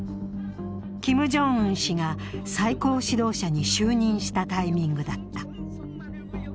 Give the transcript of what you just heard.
キム・ジョンウン氏が最高指導者に就任したタイミングだった。